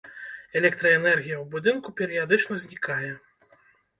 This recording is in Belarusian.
Электраэнергія ў будынку перыядычна знікае.